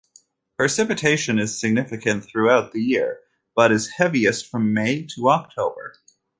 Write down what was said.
Precipitation is significant throughout the year, but is heaviest from May to October.